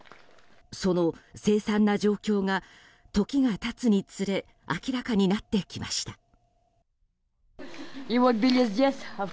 その凄惨な状況が時が経つにつれ明らかになってきました。